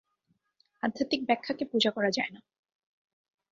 আধ্যাত্মিক ব্যাখ্যাকে পূজা করা যায় না।